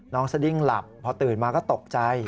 สดิ้งหลับพอตื่นมาก็ตกใจ